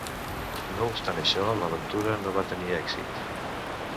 "No obstant això, l'aventura no va tenir èxit."